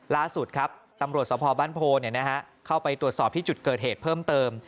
ล่าสุดครับตำรวจสภบ้านโพเข้าไปตรวจสอบที่จุดเกิดเหตุเพิ่มเติม